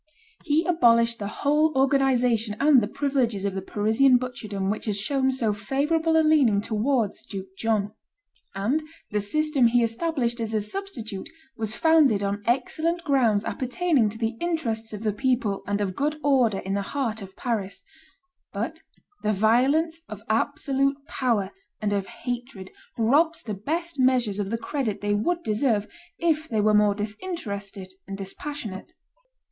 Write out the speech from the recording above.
He abolished the whole organization and the privileges of the Parisian butcherdom which had shown so favorable a leaning towards Duke John; and the system he established as a substitute was founded on excellent grounds appertaining to the interests of the people and of good order in the heart of Paris; but the violence of absolute power and of hatred robs the best measures of the credit they would deserve if they were more disinterested and dispassionate.